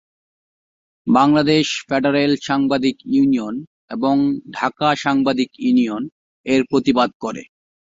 Bangladesh federal সাংবাদিক union এবং ঢাকা সাংবাদিক ইউনিয়ন এর প্রতিবাদ করে।